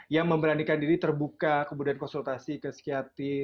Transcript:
yang memberanikan diri terbuka kemudian konsultasi ke psikiatri